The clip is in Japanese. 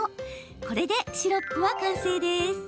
これでシロップは完成です。